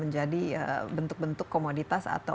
menjadi bentuk bentuk komoditas atau